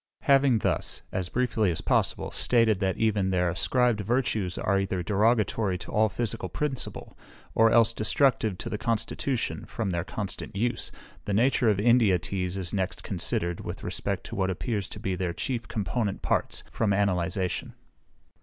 Having thus, as briefly as possible, stated that even their ascribed virtues are either derogatory to all physical principle, or else destructive to the constitution, from their constant use, the nature of India teas is next considered, with respect to what appears to be their chief component parts, from analyzation.